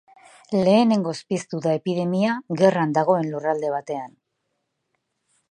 Lehengoz piztu da epidemia gerran dagoen lurralde batean.